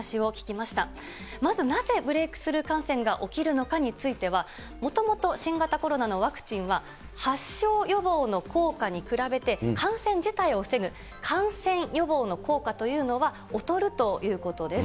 まずなぜブレイクスルー感染が起きるのかについては、もともと新型コロナのワクチンは発症予防の効果に比べて、感染自体を防ぐ感染予防の効果というのは劣るということです。